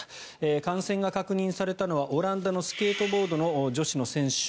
感染が確認されたのはオランダのスケートボードの女子の選手